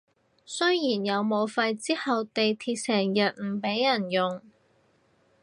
雖然有武肺之後地鐵成日唔畀人用